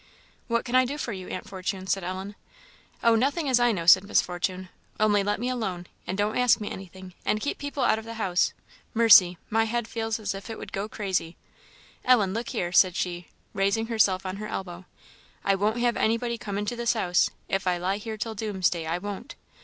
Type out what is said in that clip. "What can I do for you, Aunt Fortune?" said Ellen. "Oh, nothing as I know," said Miss Fortune "only let me alone, and don't ask me anything, and keep people out of the house. Mercy! my head feels as if it would go crazy! Ellen, look here," said she, raising herself on her elbow "I won't have anybody come into this house if I lie here till doomsday, I won't!